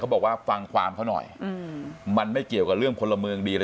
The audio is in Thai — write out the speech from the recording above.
บอกว่าฟังความเขาหน่อยมันไม่เกี่ยวกับเรื่องพลเมืองดีห